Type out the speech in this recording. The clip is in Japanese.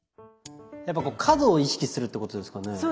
やっぱこう角を意識するってことですかね？